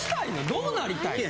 どうなりたいねん？